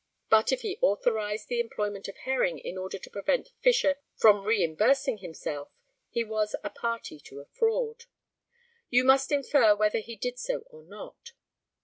But if he authorised the employment of Herring in order to prevent Fisher from reimbursing himself, he was a party to a fraud. You must infer whether he did so or not.